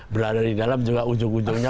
berada di dalam juga ujung ujungnya